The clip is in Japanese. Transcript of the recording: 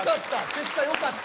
結果よかった。